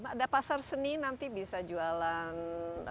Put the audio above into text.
ada pasar seni nanti bisa jualan